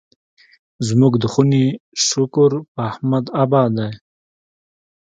زموږ د خونې شکور په احمد اباد دی.